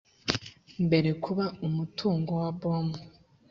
mbere kubara umutungo wabomu